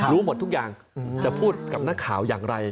รู้หมดทุกอย่างจะพูดกับนักข่าวอย่างไร